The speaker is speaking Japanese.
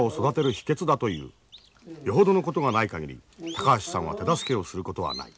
よほどのことがない限り高橋さんは手助けをすることはない。